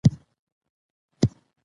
دودیزې لارې ناروغان ځنډوي.